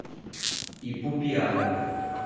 Ipupiara